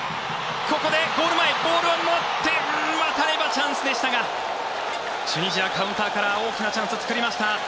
ここでゴール前、ボールを持って渡ればチャンスでしたがチュニジア、カウンターから大きなチャンスを作りました。